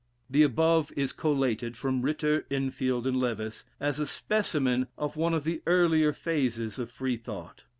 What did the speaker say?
The above is collated from Ritter, Enfield, and Lewes, as a specimen of one of the earlier phases of Freethought.